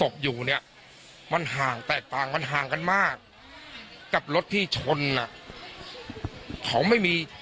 เขามายมี